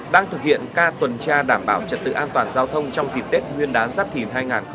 đang thực hiện ca tuần tra đảm bảo trật tự an toàn giao thông trong dịp tết nguyên đán giáp thìn hai nghìn hai mươi bốn